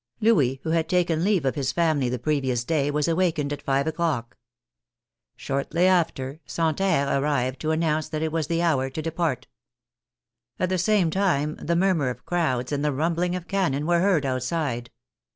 Louis, who had taken leave of his family the previous day, was awakened at five o'clock. Shortly after, Santerre arrived to announce that it was the hour to depart. At the same time the murmur of crowds and the rumbling of cannon were heard outside.